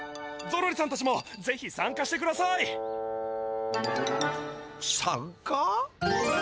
ゾロリさんたちもぜひさんかしてください！さんか？